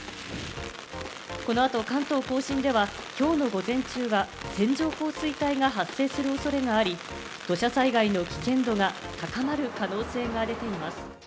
このあと関東甲信ではきょうの午前中は線状降水帯が発生する恐れがあり、土砂災害の危険度が高まる可能性が出ています。